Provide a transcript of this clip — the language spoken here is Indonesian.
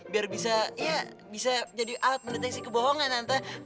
biar bisa iya bisa jadi alat mendeteksi kebohongan tante